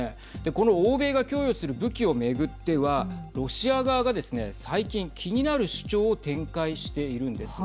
この欧米が供与する武器を巡ってはロシア側がですね最近気になる主張を展開しているんです。